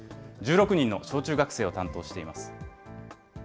１６人の小中学生を担当しています。